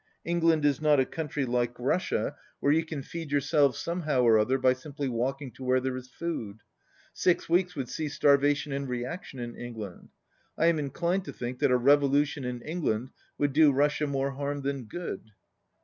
Eng land is not a country like Russia where you can 81 feed yourselves somehow or other by simply walk ing to where there is food. Six weeks would see starvation and reaction in England. I am in clined to think that a revolution in England would do Russia more harm than good."